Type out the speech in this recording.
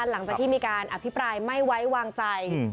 หลังจากที่มีการอภิปรายไม่ไว้วางใจ